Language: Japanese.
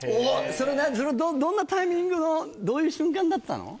それはどんなタイミングのどういう瞬間だったの？